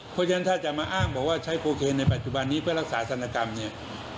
เพราะฉะนั้นถ้าจะมาอ้างบอกว่าใช้โคเคนในปัจจุบันนี้เพื่อรักษาศัลยกรรมเนี่ย